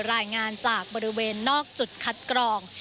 รายงานจากบริเวณนอกจุดคัดกรอง